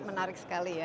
menarik sekali ya